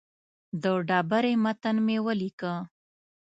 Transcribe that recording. د ډبرې متن مې ولیکه.